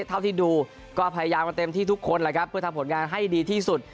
เท่าที่ดูก็พยายามกันเต็มที่ทุกคนแหละครับเพื่อทำผลงานให้ดีที่สุด